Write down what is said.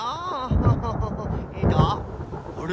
あれ？